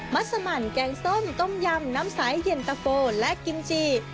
ัสมันแกงส้มต้มยำน้ำใสเย็นตะโฟและกิมจี